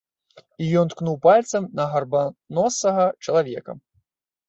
І ён ткнуў пальцам на гарбаносага чалавека.